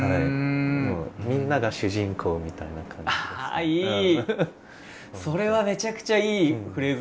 ああいい。